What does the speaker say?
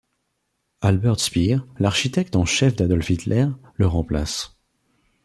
Albert Speer, l'architecte en chef d'Adolf Hitler, le remplace.